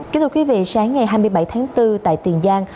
kính thưa quý vị sáng ngày hai mươi bảy tháng bốn tại tiền giang